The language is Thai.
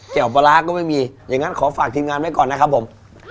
ปลาร้าก็ไม่มีอย่างนั้นขอฝากทีมงานไว้ก่อนนะครับผม